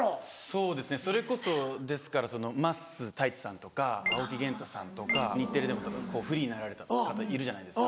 そうですねそれこそですから桝太一さんとか青木源太さんとか日テレでもフリーになられた方いるじゃないですか。